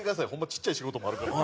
ちっちゃい仕事もあるからな。